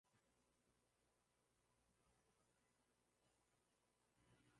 hata nikiwa nazo naweza ishi vizuri